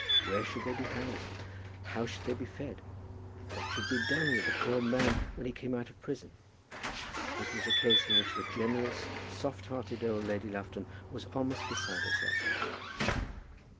Where should they be housed? how should they be fed? What should be done with the poor man when he came out of prison? It was a case in which the generous, soft hearted old Lady Lufton was almost beside herself.